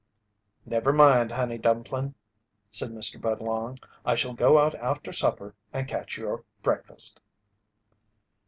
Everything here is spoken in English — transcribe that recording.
"Never mind, Honey Dumplin'," said Mr. Budlong, "I shall go out after supper and catch your breakfast."